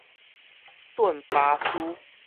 頓巴斯